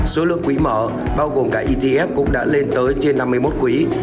số lượng quỹ mở bao gồm cả etf cũng đã lên tới trên năm mươi một quỹ